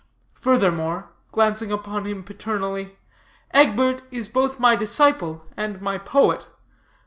Furthermore," glancing upon him paternally, "Egbert is both my disciple and my poet.